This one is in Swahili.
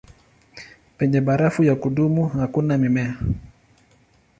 Penye barafu ya kudumu hakuna mimea.